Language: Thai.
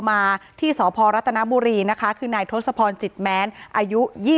อ๋อเจ้าสีสุข่าวของสิ้นพอได้ด้วย